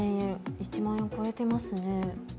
１万円超えてますね。